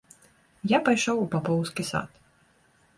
Я пайшоў у папоўскі сад.